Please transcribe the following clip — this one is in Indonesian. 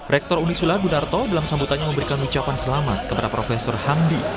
rektor unisula gunarto dalam sambutannya memberikan ucapan selamat kepada profesor hamdi